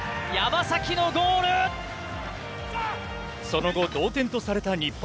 その後、同点とされた日本。